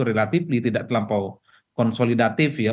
relatif di tidak terlampau konsolidatif ya